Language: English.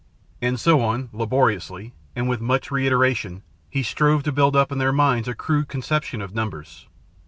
And so on, laboriously, and with much reiteration, he strove to build up in their minds a crude conception of numbers.